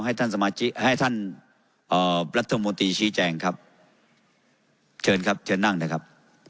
ให้ท่านสมาชิกให้ท่านอ่าประธรรมติชีแจงครับเชิญครับเชิญนั่งเดี๋ยวครับ